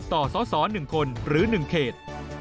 ต่อสอ๑คนหรือ๑เขต